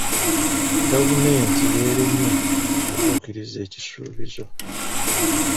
Gavumenti yeeremye okutuukiriza ekisuubizo.